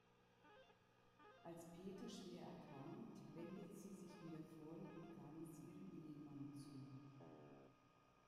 Als Peter schwer erkrankt, wendet sie sich wieder voll und ganz ihrem Ehemann zu.